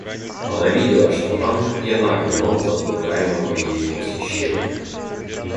Она видела, что Анна пьяна вином возбуждаемого ею восхищения.